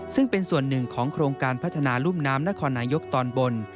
ซึ่งเป็นส่วนหนึ่งของโครงการพัฒนารุ่มน้ำนครนายกตอนบน